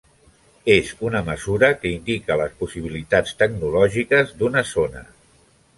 És una mesura que indica les possibilitats tecnològiques d'una zona.